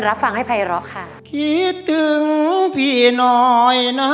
ครับฟังให้ภัยร้องค่ะ